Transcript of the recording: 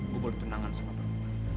gue boleh tendangan sama perempuan